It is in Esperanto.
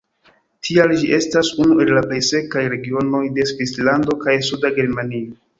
Tial ĝi estas unu el la plej sekaj regionoj de Svislando kaj suda Germanio.